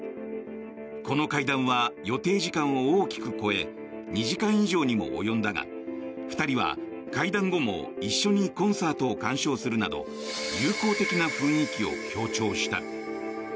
この会談は予定時間を大きく超え２時間以上にも及んだが２人は会談後も一緒にコンサートを鑑賞するなど友好的な雰囲気を強調した。